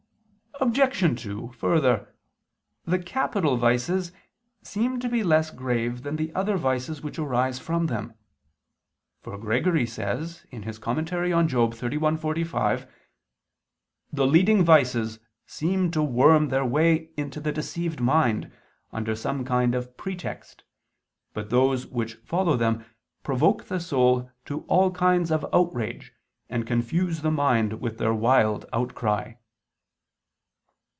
Obj. 2: Further, the capital vices seem to be less grave than the other vices which arise from them. For Gregory says (Moral. xxxi, 45): "The leading vices seem to worm their way into the deceived mind under some kind of pretext, but those which follow them provoke the soul to all kinds of outrage, and confuse the mind with their wild outcry."